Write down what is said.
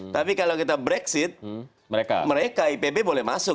tapi kalau kita brexit mereka ipb boleh masuk